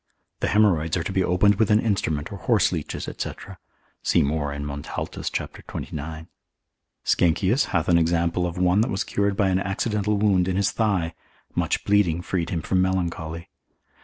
The haemorrhoids are to be opened with an instrument or horseleeches, &c. See more in Montaltus, cap. 29. Sckenkius hath an example of one that was cured by an accidental wound in his thigh, much bleeding freed him from melancholy.